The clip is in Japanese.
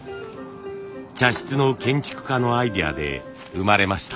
茶室の建築家のアイデアで生まれました。